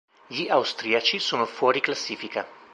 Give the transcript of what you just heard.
Gli austriaci sono fuori classifica.